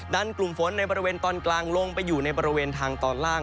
กลุ่มฝนในบริเวณตอนกลางลงไปอยู่ในบริเวณทางตอนล่าง